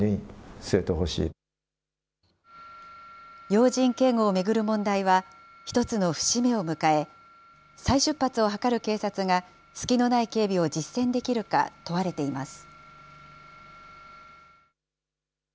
要人警護を巡る問題は、１つの節目を迎え、再出発を図る警察が、隙のない警備を実践できるか問われています。